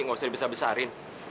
gak usah dibesar besarin